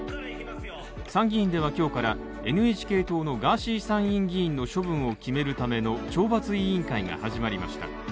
参議院では今日からＮＨＫ党のガーシー参院議員の処分を決めるための懲罰委員会が始まりました。